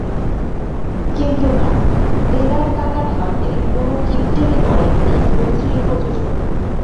কিন্তু না, দেদার টাকা ঢালতে কোনো কিপ্টেমি করেননি ধুম থ্রির প্রযোজক।